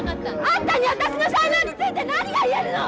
あんたに私の才能について何が言えるの！